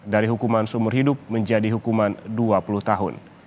dari hukuman seumur hidup menjadi hukuman dua puluh tahun